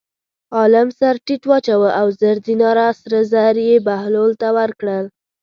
عالم سر ټیټ واچاوه او زر دیناره سره زر یې بهلول ته ورکړل.